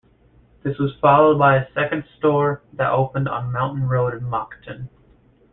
This was followed by a second store that opened on Mountain Road in Moncton.